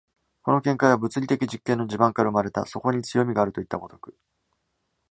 この見解は物理的実験の地盤から生まれた、そこに強味があるといった如く。